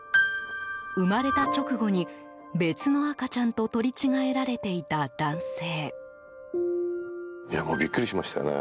生まれた直後に別の赤ちゃんと取り違えられていた男性。